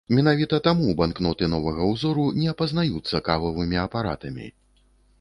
Менавіта таму банкноты новага ўзору не апазнаюцца кававымі апаратамі.